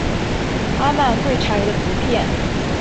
阿曼蛙蟾鱼的图片